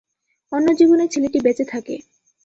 অন্য জীবনে ছেলেটি বেঁচে থাকে।